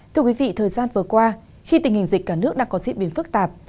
thưa quý vị thời gian vừa qua khi tình hình dịch cả nước đang có diễn biến phức tạp